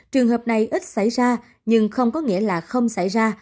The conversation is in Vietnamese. trường hợp này ít xảy ra nhưng không có nghĩa là không xảy ra